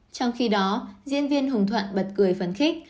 trong khi đó diễn viên hùng thuận bật cười phấn khích